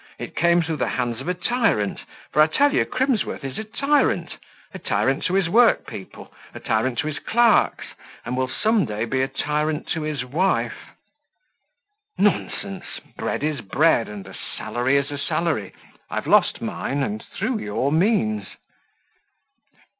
It came through the hands of a tyrant, for I tell you Crimsworth is a tyrant, a tyrant to his workpeople, a tyrant to his clerks, and will some day be a tyrant to his wife." "Nonsense! bread is bread, and a salary is a salary. I've lost mine, and through your means."